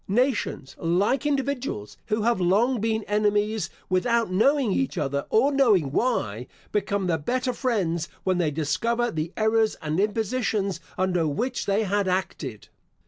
Nations, like individuals, who have long been enemies, without knowing each other, or knowing why, become the better friends when they discover the errors and impositions under which they had acted.